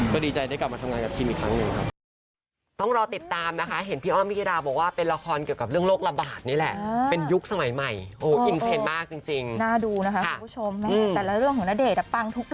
ก็ดีใจได้กลับมาทำงานกับทีมอีกครั้งหนึ่งครับ